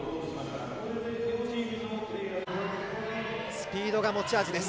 スピードが持ち味です。